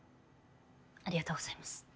ありがとうございます。